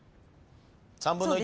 ３分の１。